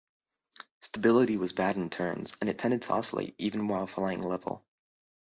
Stability was bad in turns, and it tended to oscillate, even while flying level.